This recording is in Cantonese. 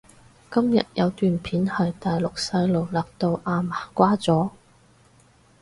今日有段片係大陸細路勒到阿嫲瓜咗？